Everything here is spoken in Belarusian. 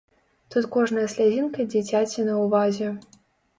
Тут кожная слязінка дзіцяці на ўвазе.